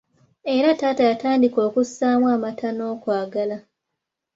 Era taata yatandika okusaamu amata n'okwagala.